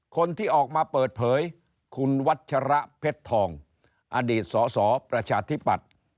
คนที่ออกมาเปิดเผยคุณวัชระเพชรทองอดีตสสประชาธิปัตย์